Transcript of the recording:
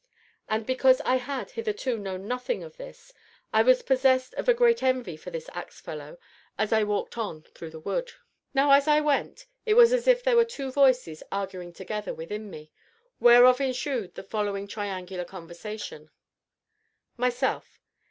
And, because I had, hitherto, known nothing of this, I was possessed of a great envy for this axe fellow as I walked on through the wood. Now as I went, it was as if there were two voices arguing together within me, whereof ensued the following triangular conversation: MYSELF.